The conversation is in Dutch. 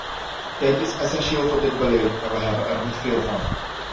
Tijd is essentieel voor dit beleid, en we hebben er niet veel van.